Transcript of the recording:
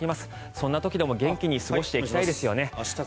そんな時でも元気に過ごしていきたいですよね。